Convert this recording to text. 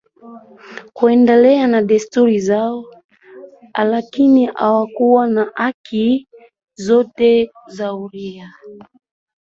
kuendelea na desturi zao lakini hawakuwa na haki zote za uraia